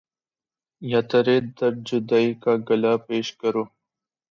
یا ترے درد جدائی کا گلا پیش کروں